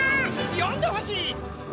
よんでほしい！